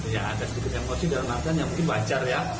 yang ada sedikit emosi dalam artian yang mungkin wajar ya